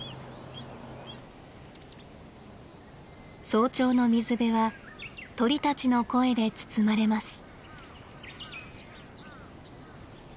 早朝の水辺は鳥たちの声で包まれます。